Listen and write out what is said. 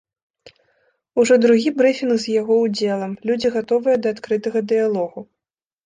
Ужо другі брыфінг з яго ўдзелам, людзі гатовыя да адкрытага дыялогу.